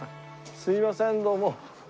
すいませんどうも。